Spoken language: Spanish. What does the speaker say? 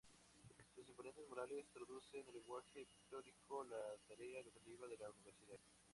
Sus imponentes murales traducen al lenguaje pictórico la tarea educativa de la Universidad.